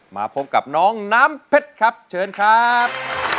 มาพบกับน้องน้ำเพชรครับเชิญครับ